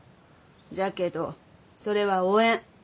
じゃけどそれはおえん。